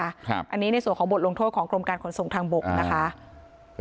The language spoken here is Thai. อันนี้ในส่วนของบทลงโทษของกรมการขนส่งทางบกนะคะ